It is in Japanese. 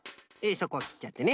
そこはきっちゃってね。